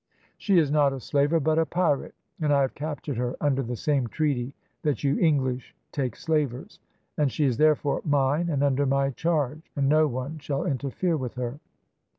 "`She is not a slaver, but a pirate, and I have captured her under the same treaty that you English take slavers, and she is therefore mine and under my charge, and no one shall interfere with her.'